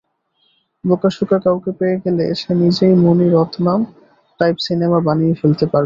বোকাসোকা কাউকে পেয়ে গেলে, সে নিজেই মনি রত্নাম টাইপ সিনেমা বানিয়ে ফেলতে পারবে!